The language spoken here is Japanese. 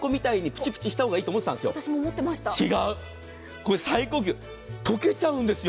これ最高級、溶けちゃうんですよ。